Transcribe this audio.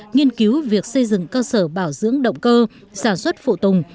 nghiên cứu việc xây dựng cơ sở bảo dưỡng động cơ sản xuất phụ tùng